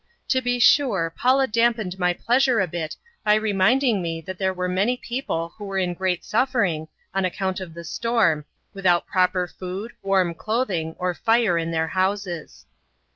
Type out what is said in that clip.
To be sure Paula dampened my pleasure a bit by reminding me that there were many people who were in great suffering on account of the storm, without proper food, warm clothing, or fire in their houses.